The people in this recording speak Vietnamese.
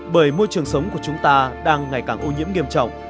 bởi môi trường sống của chúng ta đang ngày càng ô nhiễm nghiêm trọng